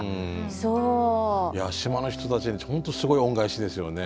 いや島の人たちに本当すごい恩返しですよね。